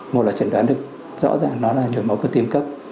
một là chẩn đoán được rõ ràng là nửa máu cơ tim cấp